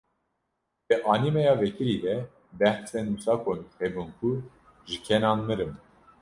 Di anîmeya vekirî de behsên wisa komîk hebûn ku ji kenan mirim.